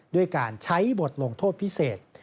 ด้วยการใช้บทลงโทษพิเศษ